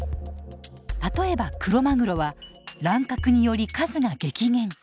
例えばクロマグロは乱獲により数が激減。